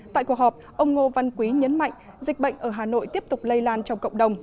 tại cuộc họp ông ngô văn quý nhấn mạnh dịch bệnh ở hà nội tiếp tục lây lan trong cộng đồng